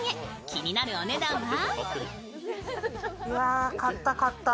気になるお値段は？